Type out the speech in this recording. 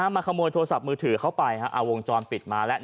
มาขโมยโทรศัพท์มือถือเข้าไปเอาวงจรปิดมาแล้ว